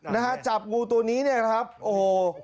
นะฮะจับงูตัวนี้เนี่ยนะครับโอ้โห